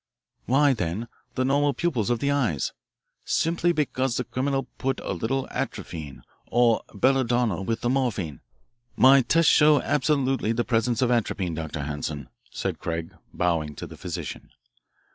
"Why, then, the normal pupils of the eyes? Simply because the criminal put a little atropine, or belladonna, with the morphine. My tests show absolutely the presence of atropine, Dr. Hanson," said Craig, bowing to the physician.